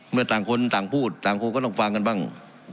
ต่างคนต่างพูดต่างคนก็ต้องฟังกันบ้าง